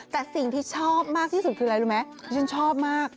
แต่สิ่งที่ชอบมากที่สุดคืออะไรรู้ไหมฉันชอบมาก